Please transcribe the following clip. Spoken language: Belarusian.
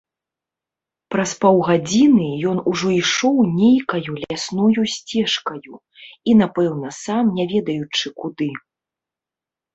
Праз паўгадзіны ён ужо ішоў нейкаю лясною сцежкаю, і напэўна сам не ведаючы куды.